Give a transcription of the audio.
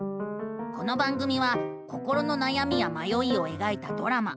この番組は心のなやみやまよいをえがいたドラマ。